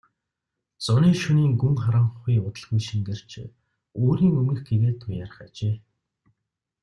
Зуны шөнийн гүн харанхуй удалгүй шингэрч үүрийн өмнөх гэгээ туяарах ажээ.